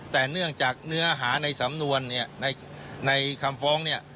แต่เนื่องจากเนื้ออาหารในสำนวนในคำฟ้อง